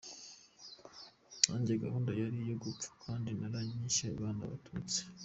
Nanjye gahunda yari iyo gupfa kdi mwaranyishe bana b’Abatutsi!